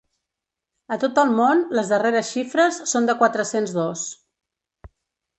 A tot el món, les darreres xifres són de quatre-cents dos.